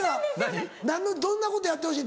何のどんなことやってほしい？